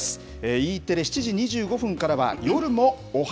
Ｅテレ７時２５分からは夜もオハ！